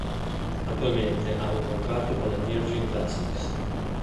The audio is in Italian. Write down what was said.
Attualmente ha un contratto con la Virgin Classics.